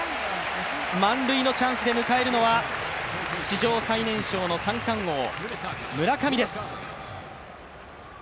満塁のチャンスで迎えるのは史上最年少の三冠王、村上です。